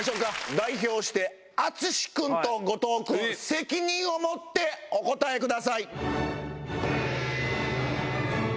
代表して淳君と後藤君責任を持ってお答えください。